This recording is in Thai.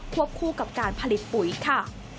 วบคู่กับการผลิตปุ๋ยค่ะ